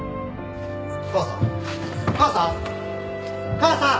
母さん？